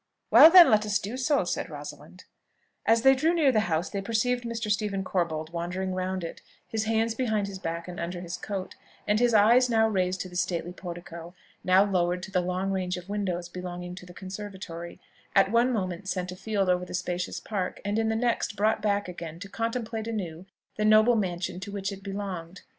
"Well, then, let us do so," said Rosalind. As they drew near the house, they perceived Mr. Stephen Corbold wandering round it, his hands behind his back and under his coat, and his eyes now raised to the stately portico, now lowered to the long range of windows belonging to the conservatory; at one moment sent afield over the spacious park, and in the next brought back again to contemplate anew the noble mansion to which it belonged.